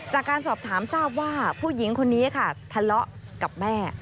จากการสอบถามทราบว่าผู้หญิงคนนี้ค่ะทะเลาะกับแม่